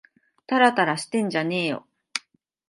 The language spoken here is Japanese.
たらたらしてんじゃねぇよ